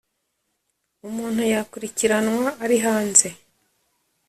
umuntu yakurikiranwa ari hanze